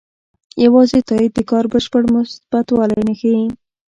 یوازې تایید د کار بشپړ مثبتوالی نه ښيي.